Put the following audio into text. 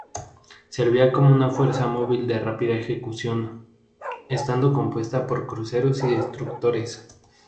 Servía como una fuerza móvil de rápida ejecución, estando compuesta por cruceros y destructores.